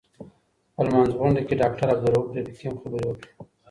په لمانځغونډه کي داکټر عبدالروف رفیقي هم خبري وکړې.